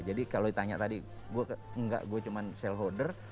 jadi kalau ditanya tadi gue cuma sell holder